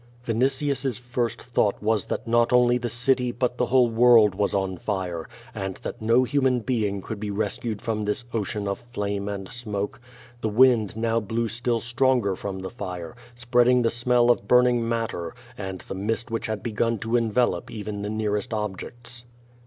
Vinitius's first thought was that not only the city but the whole world was on fire, and that no human being could be rescued from this ocean of flame and smoke. The wind now blew still stronger from the fire, spreading the smell of burn ing matter, and the mist which had begun to envelop even the nearest objects.